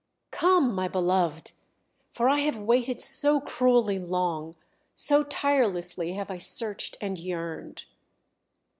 "Come, my beloved, for I have waited so cruelly long, so tirelessly have I searched and yearned!"